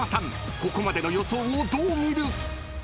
［ここまでの予想をどう見る？］